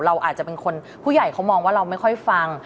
เราอาจจะเป็นคนผู้ใหญ่เขามองว่าเราไม่ค่อยฟัง